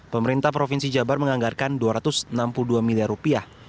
pemerintah provinsi jabar menganggarkan dua ratus enam puluh dua miliar rupiah